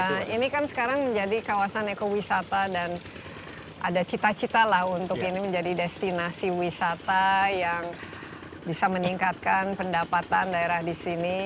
nah ini kan sekarang menjadi kawasan ekowisata dan ada cita cita lah untuk ini menjadi destinasi wisata yang bisa meningkatkan pendapatan daerah di sini